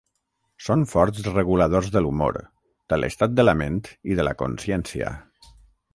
Són forts reguladors de l'humor, de l'estat de la ment i de la consciència.